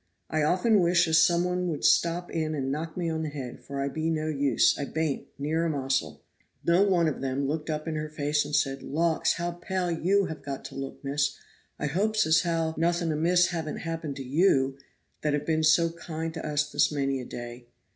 I often wish as some one would step in and knock me on the head, for I be no use, I baint, neer a mossel." No one of them looked up in her face and said, "Lauks, how pale you ha got to look, miss; I hopes as how nothing amiss haven't happened to you, that have been so kind to us this many a day."